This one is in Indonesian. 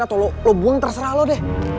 atau lo bun terserah lo deh